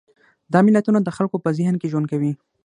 دا ملتونه د خلکو په ذهن کې ژوند کوي.